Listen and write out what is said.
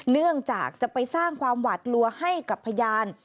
เนื่องจากจะไปสร้างความหวาดกลัวให้กับพยาน